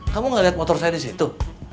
kamu gak lihat motor saya di situ